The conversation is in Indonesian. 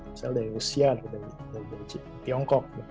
misalnya dari rusia atau dari tiongkok